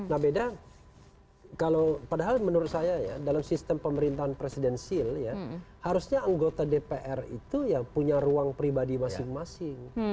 nah beda kalau padahal menurut saya ya dalam sistem pemerintahan presidensil ya harusnya anggota dpr itu ya punya ruang pribadi masing masing